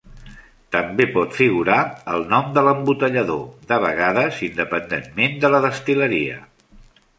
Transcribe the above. També pot figurar el nom de l'embotellador, de vegades independentment de la destil·leria.